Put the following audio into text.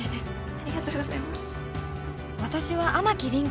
ありがとうございます。